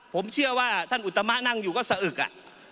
ผมเชื่อว่าท่านอุตมะนั่งอยู่ก็สะอึก